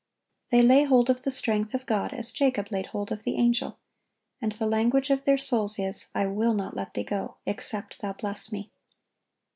They lay hold of the strength of God as Jacob laid hold of the Angel; and the language of their souls is, "I will not let Thee go, except Thou bless me."